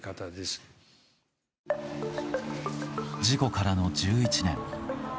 事故からの１１年。